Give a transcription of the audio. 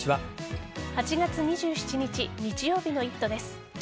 ８月２７日日曜日の「イット！」です。